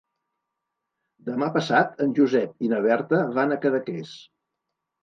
Demà passat en Josep i na Berta van a Cadaqués.